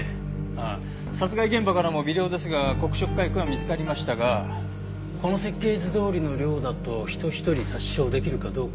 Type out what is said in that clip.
ああ殺害現場からも微量ですが黒色火薬が見つかりましたがこの設計図どおりの量だと人ひとり殺傷出来るかどうか。